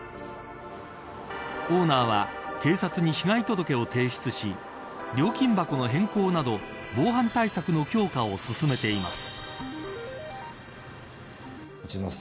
オーナーは警察に被害届を提出し料金箱の変更など防犯対策の強化を進めています。